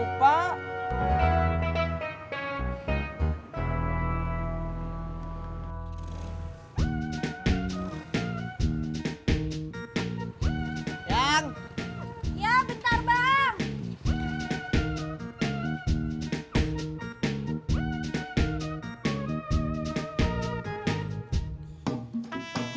apaan sih kamu suy